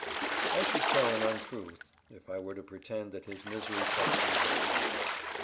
I should tell an untruth if I were to pretend that his misery touched me very deeply.